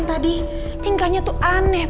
jadi aku kobe